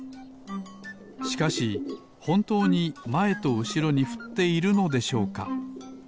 しかしほんとうにまえとうしろにふっているのでしょうか？